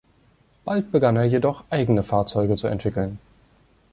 Bald begann er jedoch, eigene Fahrzeuge zu entwickeln.